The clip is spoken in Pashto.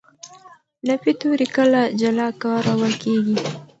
نفي توري کله جلا کارول کېږي.